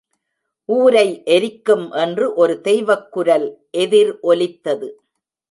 ஊரை எரிக்கும் என்று ஒரு தெய்வக்குரல் எதிர் ஒலித்தது.